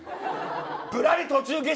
「ぶらり途中下車」